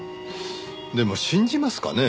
でも信じますかね？